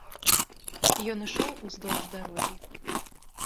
Ён ішоў уздоўж дарогі.